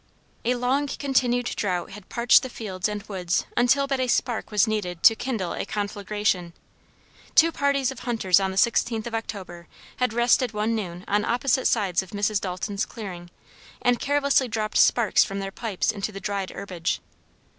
A long continued drought had parched the fields and woods until but a spark was needed to kindle a conflagration. Two parties of hunters on the 16th of October, had rested one noon on opposite sides of Mrs. Dalton's clearing and carelessly dropped sparks from their pipes into the dried herbage.